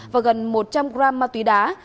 và gần một trăm linh gram ma túy đá